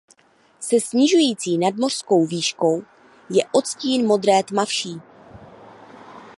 Se snižující nadmořskou výškou je odstín modré tmavší.